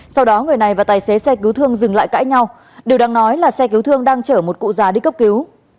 sau đó người này và tài xế xe cứu thương dừng lại cãi nhau điều đáng nói là xe cứu thương đang chở một cụ già đi cấp cứu